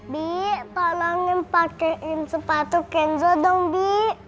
bi tolongin pakaiin sepatu kenzo dong bi